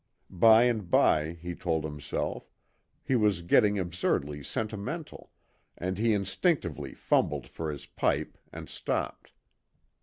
By and by, he told himself, he was getting absurdly sentimental, and he instinctively fumbled for his pipe and stopped.